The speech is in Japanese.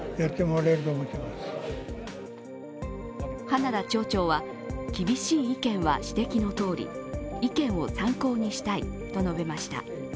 花田町長は、厳しい意見は指摘のとおり、意見を参考にしたいと述べました。